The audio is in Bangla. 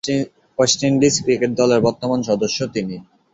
ওয়েস্ট ইন্ডিজ ক্রিকেট দলের বর্তমান সদস্য তিনি।